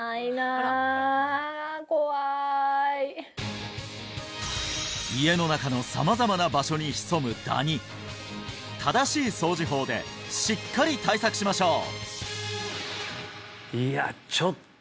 怖い家の中の様々な場所に潜むダニ正しい掃除法でしっかり対策しましょう！